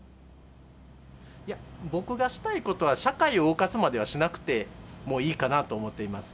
僕がしたいことは、社会を動かすまではしなくてもいいかなと思っています。